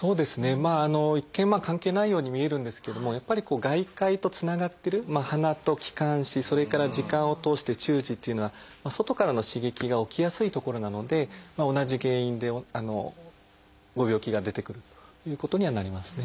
まあ一見関係ないように見えるんですけどもやっぱり外界とつながってる鼻と気管支それから耳管を通して中耳っていうのは外からの刺激が起きやすい所なので同じ原因でご病気が出てくるということにはなりますね。